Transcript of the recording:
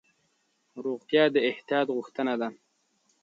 روغتیا د احتیاط غوښتنه کوي.